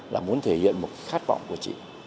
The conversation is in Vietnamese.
là muốn thể hiện một khát vọng của chị